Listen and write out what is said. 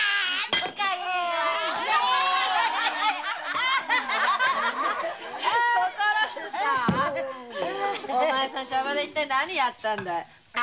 ところでお前さんシャバで何やったんだい？